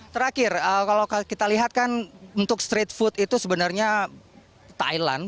terakhir kalau kita lihat kan untuk street food itu sebenarnya thailand